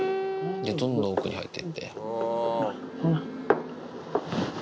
で、どんどん奥に入っていって。